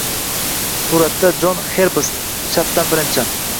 Suratda: Jon Herbst - chapdan birinchi